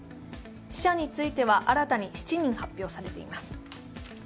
死者については新たに７人発表されています。